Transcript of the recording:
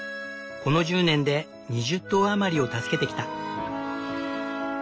この１０年で２０頭余りを助けてきた。